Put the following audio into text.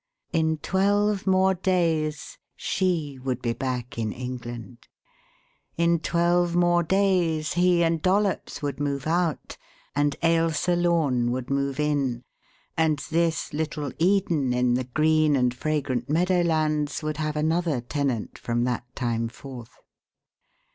In twelve more days she would be back in England. In twelve more days he and Dollops would move out, and Ailsa Lorne would move in, and this little Eden in the green and fragrant meadowlands would have another tenant from that time forth.